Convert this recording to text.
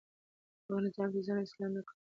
هغه نظام چې ځان اصلاح نه کړي ورو ورو کمزوری کېږي